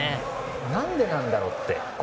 なんでなんだろうって。